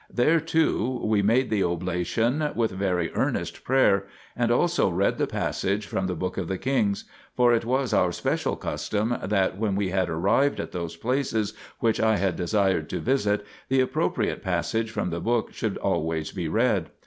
There, too, we made the oblation, with very earnest prayer, and also read the passage from the book of the Kings ; for it was our special custom that, when we had arrived at those places which I had desired to visit, the appropriate passage from the book should always be read.